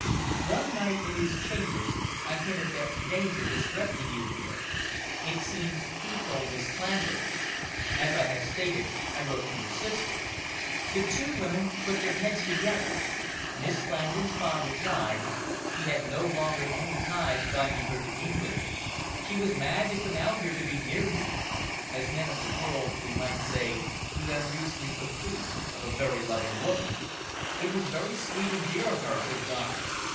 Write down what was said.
One night, in his chambers, I hinted that danger was threatening you here. It seems he told Miss Clandon. As I have stated, I wrote to your sister. The two women put their heads together. Miss Clandon's father died. She had no longer any ties binding her to England. She was mad to come out here to be near you. As men of the world, we might say, the unreasoning caprice of a very loving woman." "It was very sweet and dear of her," said Guy.